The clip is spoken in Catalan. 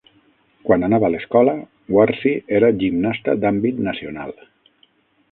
Quan anava a l'escola, Warsi era gimnasta d'àmbit nacional.